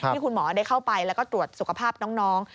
ที่คุณหมอได้เข้าไปแล้วก็ตรวจสุขภาพน้อง